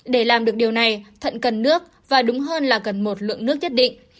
để làm được điều này thận cần nước và đúng hơn là cần một lượng nước nhất định